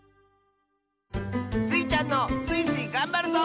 スイちゃんの「スイスイ！がんばるぞ」